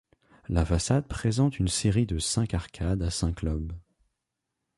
La façade présente une série de cinq arcades à cinq lobes.